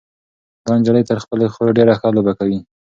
دا نجلۍ تر خپلې خور ډېره ښه لوبه کوي.